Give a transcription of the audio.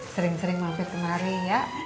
sering sering mampit kemari ya